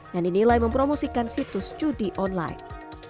yang dinilai mempromosikan situs judi online